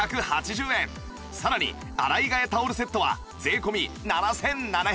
さらに洗い替えタオルセットは税込７７００円